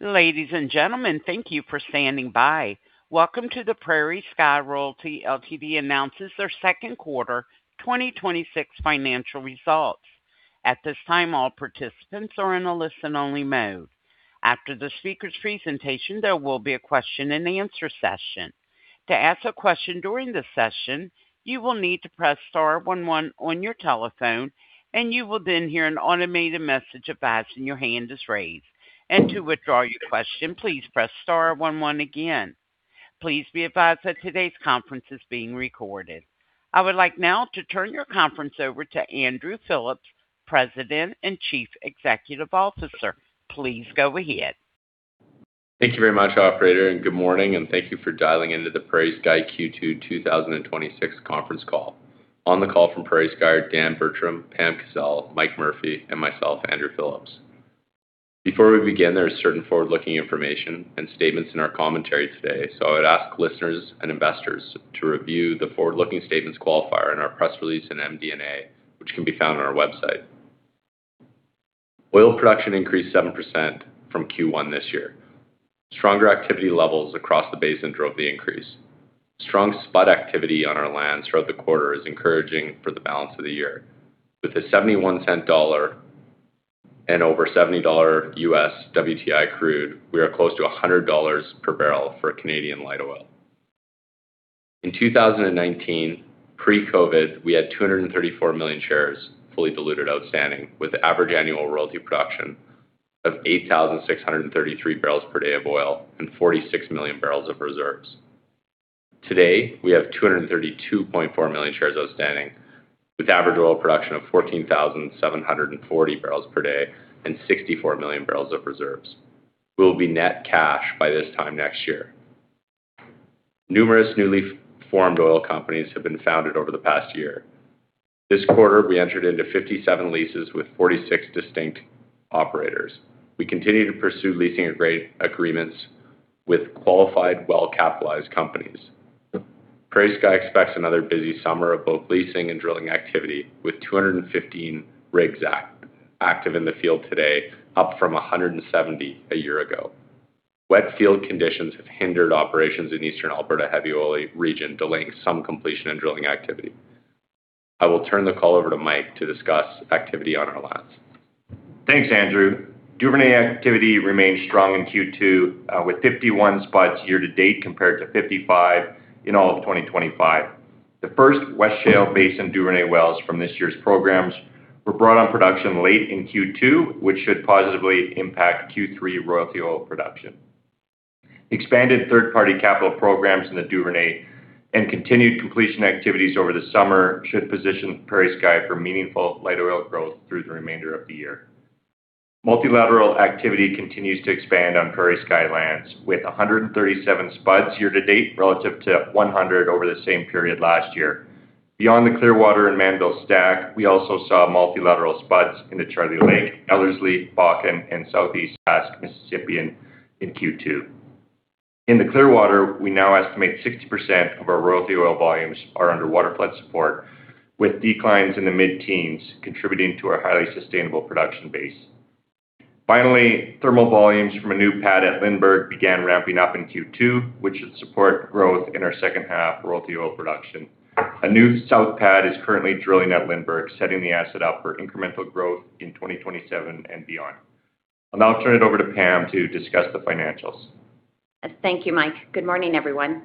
Ladies and gentlemen, thank you for standing by. Welcome to the PrairieSky Royalty Ltd announces their Second Quarter 2026 Financial Results. At this time, all participants are in a listen-only mode. After the speakers' presentation, there will be a question and answer session. To ask a question during the session, you will need to press star one one on your telephone, and you will then hear an automated message advising your hand is raised. To withdraw your question, please press star one one again. Please be advised that today's conference is being recorded. I would like now to turn your conference over to Andrew Phillips, President and Chief Executive Officer. Please go ahead. Thank you very much, operator, and good morning, and thank you for dialing into the PrairieSky Q2 2026 conference call. On the call from PrairieSky are Dan Bertram, Pam Kazeil, Mike Murphy, and myself, Andrew Phillips. Before we begin, there is certain forward-looking information and statements in our commentary today, so I would ask listeners and investors to review the forward-looking statements qualifier in our press release in MD&A, which can be found on our website. Oil production increased 7% from Q1 this year. Stronger activity levels across the basin drove the increase. Strong spot activity on our lands throughout the quarter is encouraging for the balance of the year. With a 0.71/$1 and over $70. WTI crude, we are close to 100 dollars/bbl for Canadian light oil. In 2019, pre-COVID, we had 234 million shares fully diluted outstanding, with average annual royalty production of 8,633 bbl per day of oil and 46 million bbl of reserves. Today, we have 232.4 million shares outstanding with average oil production of 14,740 bbl per day and 64 million bbl of reserves. We will be net cash by this time next year. Numerous newly formed oil companies have been founded over the past year. This quarter, we entered into 57 leases with 46 distinct operators. We continue to pursue leasing agreements with qualified, well-capitalized companies. PrairieSky expects another busy summer of both leasing and drilling activity with 215 rigs active in the field today, up from 170 a year ago. Wet field conditions have hindered operations in Eastern Alberta heavy oil region, delaying some completion and drilling activity. I will turn the call over to Mike to discuss activity on our lands. Thanks, Andrew. Duvernay activity remained strong in Q2, with 51 spuds year to date compared to 55 in all of 2025. The first West Shale Basin Duvernay wells from this year's programs were brought on production late in Q2, which should positively impact Q3 royalty oil production. Expanded third-party capital programs in the Duvernay and continued completion activities over the summer should position PrairieSky for meaningful light oil growth through the remainder of the year. Multilateral activity continues to expand on PrairieSky lands, with 137 spuds year to date relative to 100 over the same period last year. Beyond the Clearwater and Mannville Stack, we also saw multilateral spuds in the Charlie Lake, Ellerslie, Bakken, and Southeast Sask Mississippian in Q2. In the Clearwater, we now estimate 60% of our royalty oil volumes are under water flood support, with declines in the mid-teens contributing to our highly sustainable production base. Finally. Thermal volumes from a new pad at Lindbergh began ramping up in Q2, which should support growth in our second half royalty oil production. A new south pad is currently drilling at Lindbergh, setting the asset up for incremental growth in 2027 and beyond. I'll now turn it over to Pam to discuss the financials. Thank you, Mike. Good morning, everyone.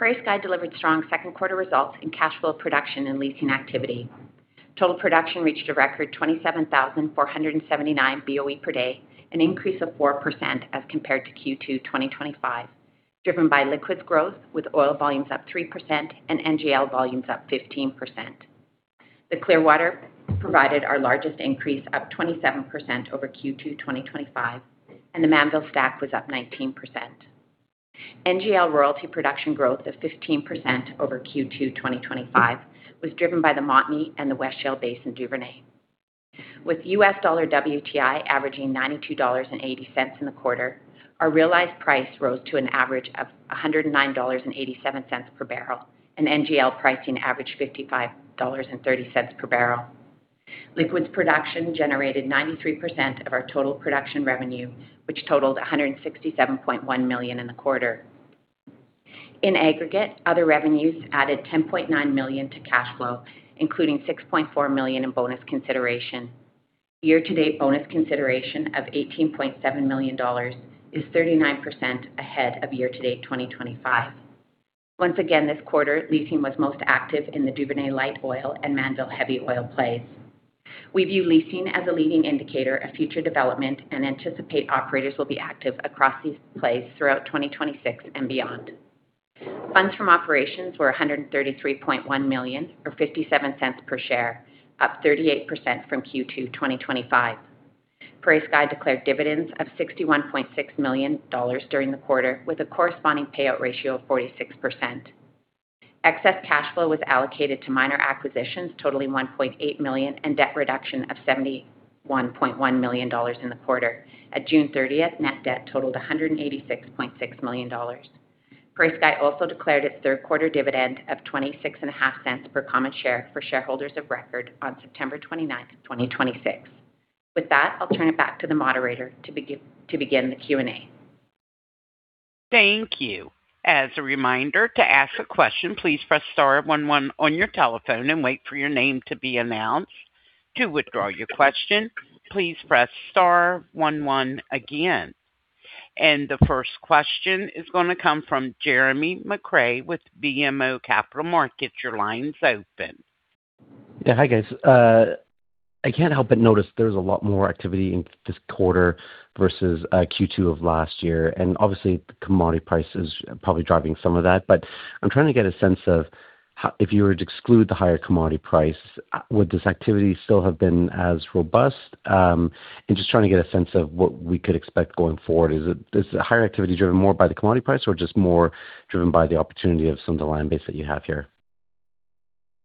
PrairieSky delivered strong second quarter results in cash flow production and leasing activity. Total production reached a record 27,479 BOE per day, an increase of 4% as compared to Q2 2025, driven by liquids growth with oil volumes up 3% and NGL volumes up 15%. The Clearwater provided our largest increase, up 27% over Q2 2025, and the Mannville Stack was up 19%. NGL royalty production growth of 15% over Q2 2025 was driven by the Montney and the West Shale Basin Duvernay. With U.S. dollar WTI averaging $92.80 in the quarter, our realized price rose to an average of $109.87/bbl, and NGL pricing averaged $55.30/bbl. Liquids production generated 93% of our total production revenue, which totaled 167.1 million in the quarter. In aggregate, other revenues added 10.9 million to cash flow, including 6.4 million in bonus consideration. Year-to-date bonus consideration of 18.7 million dollars is 39% ahead of year-to-date 2025. This quarter, leasing was most active in the Duvernay light oil and Mannville heavy oil plays. We view leasing as a leading indicator of future development and anticipate operators will be active across these plays throughout 2026 and beyond. Funds from operations were 133.1 million, or 0.57 per share, up 38% from Q2 2025. PrairieSky declared dividends of 61.6 million dollars during the quarter, with a corresponding payout ratio of 46%. Excess cash flow was allocated to minor acquisitions totaling 1.8 million and debt reduction of 71.1 million dollars in the quarter. At June 30th, net debt totaled 186.6 million dollars. PrairieSky also declared its third quarter dividend of 0.265 per common share for shareholders of record on September 29th, 2026. With that, I'll turn it back to the moderator to begin the Q&A. Thank you. As a reminder, to ask a question, please press star one one on your telephone and wait for your name to be announced. To withdraw your question, please press star one one again. The first question is going to come from Jeremy McCrea with BMO Capital Markets. Your line's open. Yeah. Hi, guys. I can't help but notice there's a lot more activity in this quarter versus Q2 of last year. Obviously the commodity price is probably driving some of that. I'm trying to get a sense of how, if you were to exclude the higher commodity price, would this activity still have been as robust? Just trying to get a sense of what we could expect going forward. Is the higher activity driven more by the commodity price or just more driven by the opportunity of some of the land base that you have here?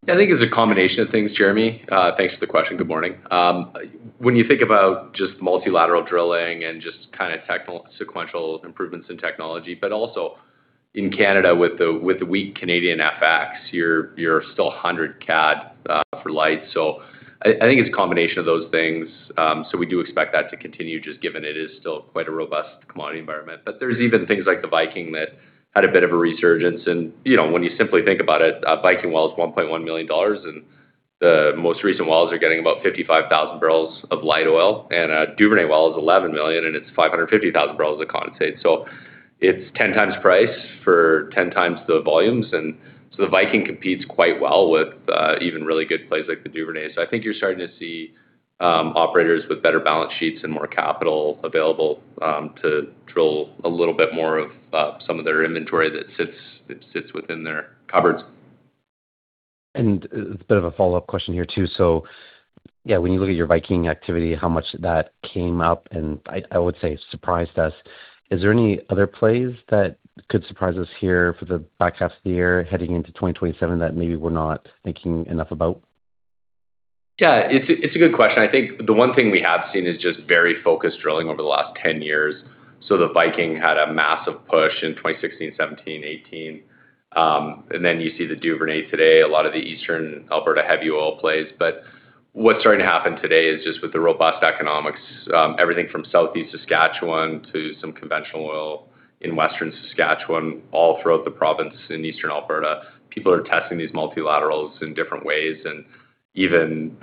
I think it's a combination of things, Jeremy. Thanks for the question. Good morning. When you think about just multilateral drilling and just kind of sequential improvements in technology, also in Canada with the weak Canadian FX, you're still 100 CAD for light. I think it's a combination of those things. We do expect that to continue just given it is still quite a robust commodity environment. There's even things like the Viking that had a bit of a resurgence. When you simply think about it, a Viking well is 1.1 million dollars, and the most recent wells are getting about 55,000 bbl of light oil, and a Duvernay well is 11 million, and it's 550,000 bbl of condensate. It's 10 times price for 10x the volumes. The Viking competes quite well with even really good plays like the Duvernay. I think you're starting to see operators with better balance sheets and more capital available to drill a little bit more of some of their inventory that sits within their cupboards. A bit of a follow-up question here too. Yeah, when you look at your Viking activity, how much of that came up and, I would say, surprised us. Is there any other plays that could surprise us here for the back half of the year heading into 2027 that maybe we're not thinking enough about? Yeah. It's a good question. I think the one thing we have seen is just very focused drilling over the last 10 years. The Viking had a massive push in 2016, 2017, 2018. Then you see the Duvernay today, a lot of the Eastern Alberta heavy oil plays. What's starting to happen today is just with the robust economics, everything from southeast Saskatchewan to some conventional oil in western Saskatchewan, all throughout the province in eastern Alberta, people are testing these multilaterals in different ways. Even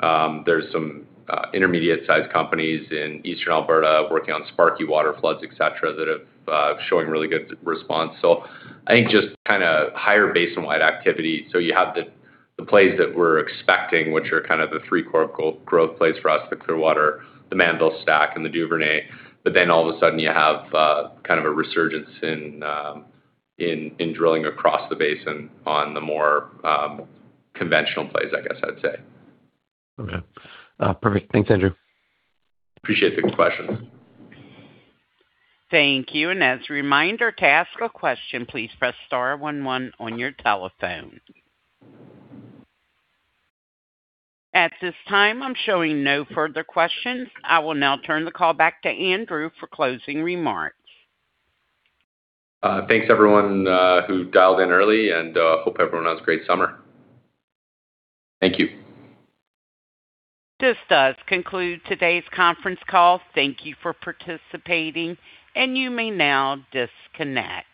there's some intermediate-sized companies in eastern Alberta working on Sparky waterfloods, et cetera, that are showing really good response. I think just kind of higher basin-wide activity. You have the plays that we're expecting, which are kind of the three core growth plays for us, the Clearwater, the Mannville Stack and the Duvernay. Then all of a sudden you have kind of a resurgence in drilling across the basin on the more conventional plays, I guess I'd say. Okay. Perfect. Thanks, Andrew. Appreciate the questions. Thank you. As a reminder to ask a question, please press star one one on your telephone. At this time, I am showing no further questions. I will now turn the call back to Andrew for closing remarks. Thanks, everyone, who dialed in early, and hope everyone has a great summer. Thank you. This does conclude today's conference call. Thank you for participating, and you may now disconnect.